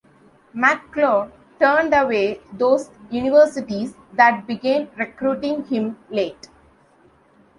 McClure turned away those universities that began recruiting him late.